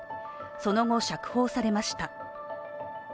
その後、釈放されました。